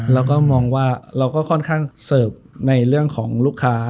เราก็มองว่าเราก็ค่อนข้างเสิร์ฟในเรื่องของลูกค้า